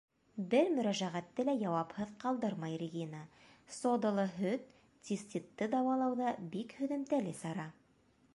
Бер мөрәжәғәтте лә яуапһыҙ ҡалдырмай Регина.Содалы һөт — циститты дауалауҙа бик һөҙөмтәле сара.